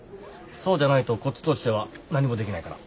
そうじゃないとこっちとしては何もできないから。